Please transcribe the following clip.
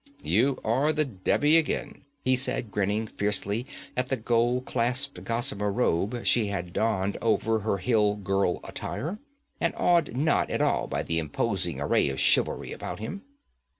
'You are the Devi again,' he said, grinning fiercely at the gold clasped gossamer robe she had donned over her hill girl attire, and awed not at all by the imposing array of chivalry about him.